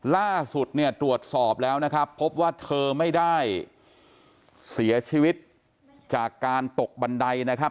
ล่าสุดเนี่ยตรวจสอบแล้วนะครับพบว่าเธอไม่ได้เสียชีวิตจากการตกบันไดนะครับ